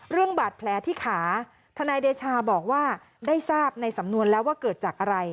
เรื่องบาดแผลที่ขาทนายเดชาบอกว่าได้ทราบในสำนวนแล้วว่าเกิดจากอะไร